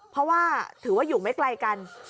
เพราะว่าถือว่าอยู่ไม่ไกลกัน